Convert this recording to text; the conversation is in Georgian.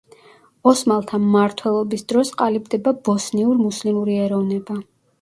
ოსმალთა მმართველობის დროს ყალიბდება ბოსნიურ–მუსლიმური ეროვნება.